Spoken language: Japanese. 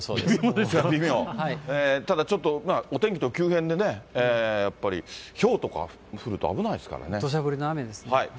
ただちょっと、お天気の急変でね、やっぱりひょうとか降るとどしゃ降りの雨ですね。